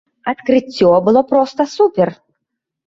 Адкрыццё было проста супер!